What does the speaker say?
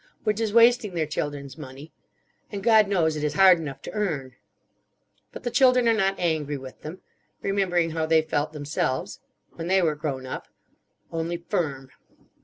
Which is wasting their children's money. And God knows it is hard enough to earn. But the children are not angry with them. Remembering how they felt themselves. When they were grown up. Only firm.